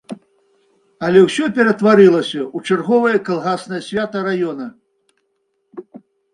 Але ўсе ператварылася ў чарговае калгаснае свята раёна.